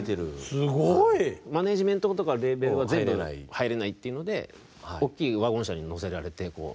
すごい。マネージメントとかレーベルは全部入れないっていうので大きいワゴン車に乗せられて。